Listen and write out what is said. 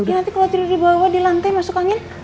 ya nanti kalau tidur di bawah di lantai masuk angin